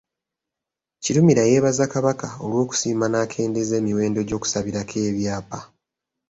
Kirumira yeebaza Kabaka olw'okusiima n’akendeeza emiwendo gy’okusabirako ebyapa.